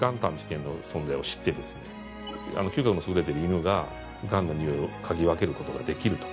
嗅覚の優れている犬ががんの臭いを嗅ぎ分けることができると。